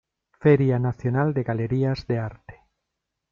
Feria Nacional de Galerías de Arte.